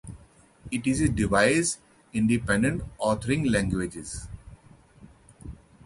It is a device independent authoring language.